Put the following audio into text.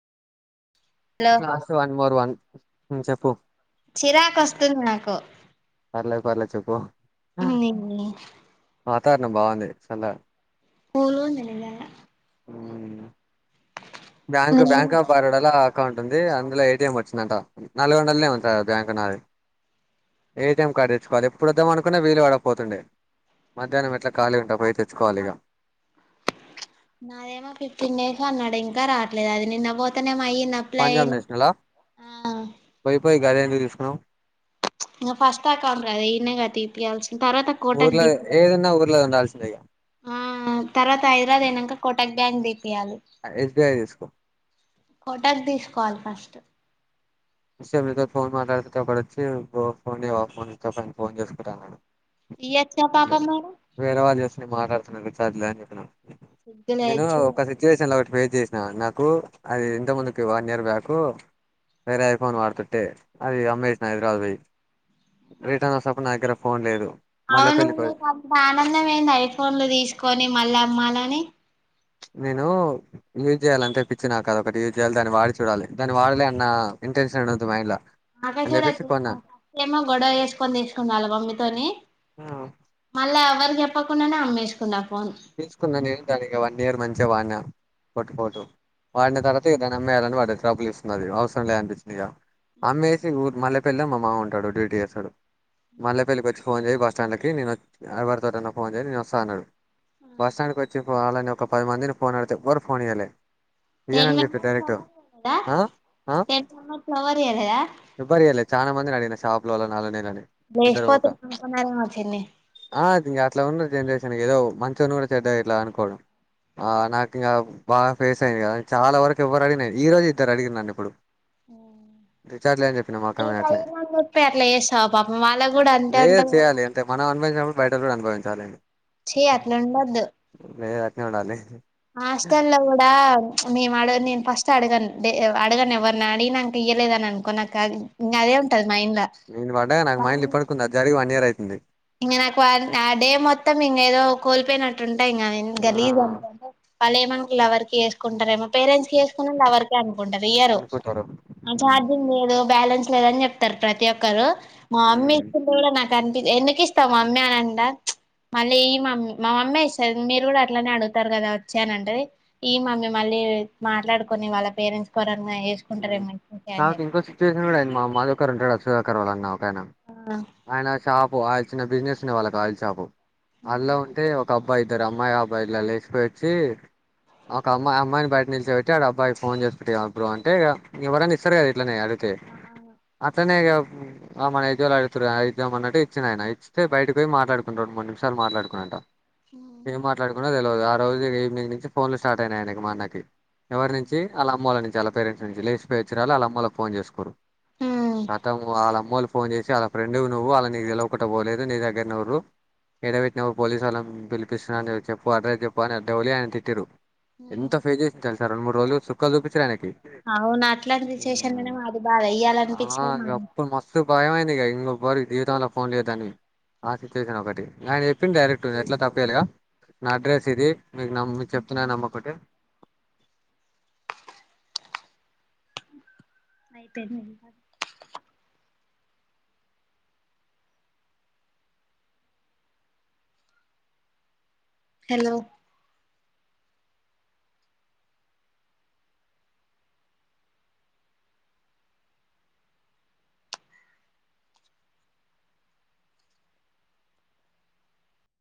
Hello last one four one చెప్పు చిరాకుస్తుంది నాకు పర్లే పర్లే చెప్పు ఇంది ఇన్ని వాతావరణం బాగుంది చల కూల్ ఉంది నిజంగా ఉమ్, బ్యాంక్ బ్యాంక్ ఆఫ్ బరోడాలో అకౌంట్ ఉంది అందులో ఏ టీ ఎం వచ్చిందంట నాలుగుంటలనే ఉంట బ్యాక్ లా ఏ టి ఎం కార్డు తెచ్చుకోలి ఎప్పుడు వద్దాం అనుకున్నా వీలు పడకపోతుండే మధ్యాహ్నం ఎట్లా కాళీగా ఉంటా పోయి తెచ్చుకోవాలి ఇగ నాదేమో ఫిఫ్టీన్ డేస్ అన్నాడు ఇంకా రావట్లేదు అది నిన్న పోతేనేమో అయినా పంజాబ్ నేషనలా పోయిపోయి గది ఎందుకు తీసుకునవ్ ఇగ ఫస్ట్ అకౌంట్ కదా ఇన్నే కట్టిపియాల్సిన్ తర్వాత కోటక్ ఊర్ల దీపియా ఏదైనా ఊర్లో ఉండాల్సిందే ఇగ ఆ తర్వాత హైదరాబాద్ పేయినంక కోటక్ బ్యాంక్ దీపియాలి ఎస్ బి ఐ తీసుకో కోటేగ్ తీసుకోవాలి ఫస్ట్ సేపు మీతో ఫోన్ మాట్లాడితే ఓక్కడొచ్చి ఫోన్ ఫోన్జేయవా ఫోన్ స్విచ్ఆఫ్ అయ్యింది ఫోన్ చేసుకుంటా అన్నడు. ఇయొచ్చుగా పాపం మారే వేరే వాళ్ళు చేసుకొని మాట్లాడుతున్నారు రీఛార్జ్ లేదని అని చెప్పిన సిగ్గు లేదు నేను ఛీ ఒకది సిచువేషన్లా ఒకటి పేస్ చేసినా నాకు అది ఇంత ముందుకి వన్ ఇయర్ బ్యాకు వేరే ఐఫోన్ వాడుతుంటే అది అమ్మేసిన హైదరాబాద్ పోయి రిటర్న్ వసటేప్పుడు నా దగ్గర ఫోన్ లేదు మళ్ళీ అవును పెళ్ళిపోయి మీకు అంత ఆనందం ఏంది ఐఫోన్లు తీసుకొని మళ్ళ అమ్మాలని నేను యూజ్ చేయాలంటే పిచ్చి నా కాద ఒకటి యూజ్ చేయాలి దాని వాడి చూడాలి దాని వాడలే అన్న ఇంటెన్షన్ ఉంది మైండ్ లా మాకా అని చూడ చెప్పేసి కొన్నా చూస్తాను ఫస్ట్ ఏమో గొడవ వేసుకొని తీసుకొనిరాలా మమ్మీతోని ఆ, మళ్ళా ఎవరి చెప్పకుండానే అమ్మేసుకున్నా ఫోన్ తీసుకున్నా నేన్ గాని ఇగ వన్ ఇయర్ మంచిగా వాడినా పోట్టుపోటు వాడిన తర్వాత ఇ దాన్ని అమ్మేయాలని వడ్డది ట్రబుల్ ఇస్తున్నది అవసరం లే అనిపించింది ఇక అమ్మేషి ఇగ్ ఊరు మల్లెపేల్లిలా మామ ఉంటాడు డ్యూటీ యేస్తడు మల్లెపేల్లికి వచ్చి ఫోన్ చేయ్ బస్టాండ్లకెయి నేన్ వచ్ ఏవారితోటన్న ఫోన్ చేయ్ నేను వస్తా అన్నడు బస్ స్టాండ్కి వచ్చి పోవాలని ఒక పది మందిని ఫోన్ ఆడితే ఎవ్వరు ఫోన్ ఇయలే టెన్ ఇయనని చెప్పిరు మెంబర్స్ డైరెక్ట్ ఆ ఆ ఆమె ఫ్లవర్ ఇయ్యలేదా ఎవ్వరియ్యలే చానా మందినడిగిన షాప్లోల్ల నాల్లనీళ్ళని లేచిపోతే [unintelligible] మా పిన్నికి ఆ ఇంగ అట్లవున్నది జనరేషన్ ఏదో మంచోన్ని గూడ చెడ్డగ ఇట్ల అనుకోవడం ఆ నాకిగా బాగ ఫేసయింది గదా చాలా వరకు ఎవ్వరడిగినా ఈ రోజు ఇద్దరు అడిగిరు నన్నిప్పుడు ఉ మా అక్క మీద అట్లనే నీకైందన్జెప్పి అట్ల ఏస్నవ పాపం వాళ్ళగ్గుడా అంతే లేదు అంటవ చేయాలి అంతే మనం అనుభవించినప్పుడు బయటోళ్లు గూడ అనుభవించాలంతె ఛీ అట్లుండోద్దు లేదు అట్నే ఉండాల్లె హాస్టల్లో గుడా మేమడ నేను ఫస్ట్ అడగన్ డే ఎ అడగనెవ్వర్ని అడిగినంక ఇయ్యలేదనన్ కొ నకద్ ఇంగదే ఉంటది మైండ్ల నేను వడ్డగా నాక్ మైండ్ల ఇప్పుడీకుంది అది జరిగి వన్నియర్ అయితుంది ఇంగ నాకు అద్ ఆ డే మొత్తం ఇంగేదో కోల్పోయిన ట్లుంటే ఏంగాదు గన్ ఆ గలీజ్గ అంతే వాళ్లేమన్కు లవర్ కి ఏసి కొంటరేమో పేరెంట్స్కి చేసుకున్న లవర్కే అనుకుంటరు ఇయ్యరు అనుకుంటారు అ ఛార్జింగ్ లేదు బ్యాలెన్స్ లేదన్జెప్తరు ప్రతీ ఒక్కరు మా అమ్మీ ఉమ్ ఇచ్చింది గూడ న దానికి ఎందుకిస్తవ్ మమ్మీ అనండ చ్ మళ్ళీయ్యి మమ్మీ మా మమ్మే ఇస్తది మీరు గూడ అట్లనే అడుగుతరు గదా వచ్చి అనంటది ఇయ్యి మమ్మీ మళ్ళీ మాట్లాడుకోని వాళ్ళ పేరెంట్స్ కోరంగాయే నాకు ఇంకో సిచ్యువేషన్ గూడ ఐంది మా మదూకరు ఉంటడుగా సుధాకర్ వాళ్ళన్న ఒకాయన ఆ ఆయనది షాపు ఆయిల్ చిన్న బిజినెస్ ఉండె వాళ్ళకు ఆయిల్ షాపు అల్ల ఉంటే ఒక బ్బాయి ఇద్దరు అమ్మాయి అబ్బాయి ఇలా లేసిపోయొచ్చీ ఒక అమ్మాయి అమ్మాయిని బయట నిలిచోబెట్టి ఆడ అబ్బాయి ఫోన్జేసి కుంటివిగాప్పుడు అంటే ఇగ ఇగెవ్వరన్నా ఇస్తరుగాద ఇట్లనే అడిగితే ఆహా అట్లనే ఇగా ఆ మనేజోలడు తురు అయితేమన్నట్టు ఇచ్చినయన ఇస్తె బయటకి పోయి మాట్లాడుకుంటురు మూడు నిమిషాలు మాట్లాడుకున్నట అవును ఏం మాట్లాడుకున్నరో తెలువదు ఆ రోజు ఇగ ఈవినింగ్ నుంచి ఫోన్లు స్టార్టయినయి ఆయనకి మాన్నకి ఎవరినించి ఆళ్లమ్మోళ్ల ఆళ్ళ నించి అళ్ పేరెంట్స్ నుంచి లేషిపోయోచ్చిరాళ్లు ఆళ్ళమ్మోల్లకు ఫోన్జేసుకురు ఖతం వాళ్ళ అమ్మోళ్లు ఫోన్జేసి ఆ ఫ్రెండువు నువ్వు ఆళ్లు నీకు తెలువకుంట పోలేదు నీ దగ్గరనే ఉన్రు ఏడ పెట్టనవ్ పోలీసోల్ళని పిలిపిస్తున్నా అన్ చెప్పు అడ్రస్ చెప్పు అని అడ్డౌలే అని తిట్టిరు మ్మ్ ఎంత ఫేస్ జేసిండు తెలుసా రెండు మూడు రోజులు చుక్కల్ చూపించారుయనకి అవును అట్లాంటిది చేశన్ననేమో అది బాద ఇయ్యాలనిపిచ్చింది మ స్తు భయమైంది ఇగ ఇంగోపారి జీవితంల ఫోన్లియోద్దని ఆ సిచ్యువేషనొకటి గాయన చెప్పిండు డైరెక్ట్ ఎట్లా తప్పుచేయలేగా నా అడ్రస్ ఇది మీకు నమ్ మీ చెప్తున్నగా నమ్మోకటి అయిపోయింది హలో